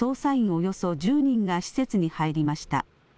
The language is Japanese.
およそ１０人が施設に入りました。